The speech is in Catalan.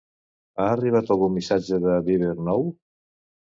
Ha arribat algun missatge de Viber nou?